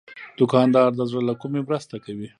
دوکاندار د زړه له کومي مرسته کوي.